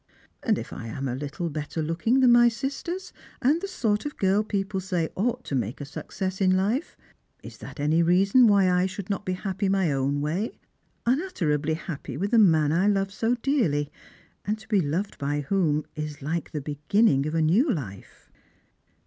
And if I am a little better looking than my Bisters, and the sort of girl people say ought to make a success in life, ia that any reason why I should not be happy my own way, un utterably happy with the man I love so dearly, and tt> be loved by whom is hke the beginning of a new life